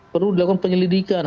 perlu dilakukan penyelidikan